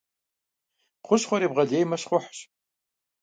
Хущхъуэр ебгъэлеймэ — щхъухьщ.